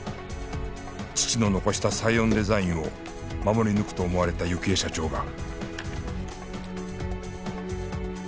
父の遺したサイオンデザインを守り抜くと思われた幸恵社長が